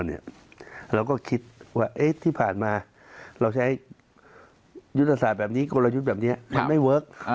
เราก็คิดว่าที่ผ่านมาเราใช้ยุทธศาสตร์แบบนี้กลยุทธ์แบบนี้มันไม่เวิร์ค